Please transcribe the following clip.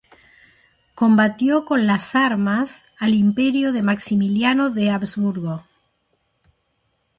Combatió con las armas al imperio de Maximiliano de Habsburgo.